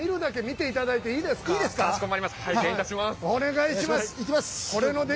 ◆お願いします。